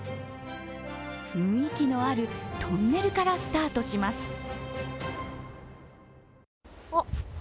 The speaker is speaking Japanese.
雰囲気のあるトンネルからスタートします。